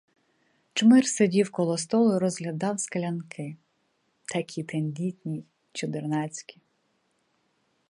Чмир сидів коло столу й розглядав склянки, такі тендітні й чудернацькі.